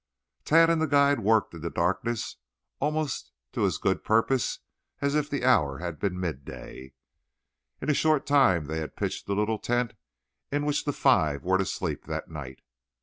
Tad and the guide worked in the darkness almost to as good purpose as if the hour had been midday. In a short time they had pitched the little tent in which the five were to sleep that night.